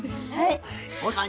はい。